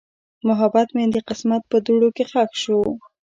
محبت مې د قسمت په دوړو کې ښخ شو.